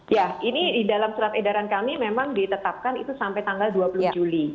ya ini di dalam surat edaran kami memang ditetapkan itu sampai tanggal dua puluh juli